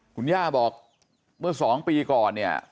คุณย่าบอกเมื่อ๒ปีก่อนเนี่ย